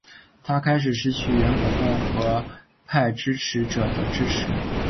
他开始失去原本共和派支持者的支持。